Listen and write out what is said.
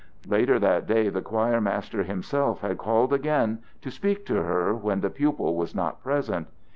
Later that day the choir master himself had called again to speak to her when the pupil was not present.